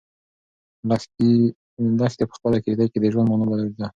لښتې په خپله کيږدۍ کې د ژوند مانا ولیده.